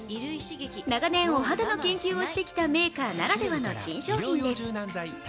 長年お肌の研究をしてきたメーカーならではの新商品です。